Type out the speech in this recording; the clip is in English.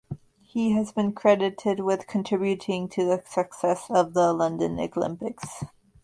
He has been credited with contributing to the success of the London Olympics.